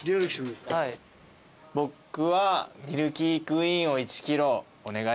僕はミルキークイーンを１ｋｇお願いします。